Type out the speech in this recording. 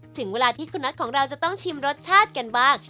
ถึงเวลาที่คุณน็อตของเราจะต้องชิมรสชาติกันบ้าง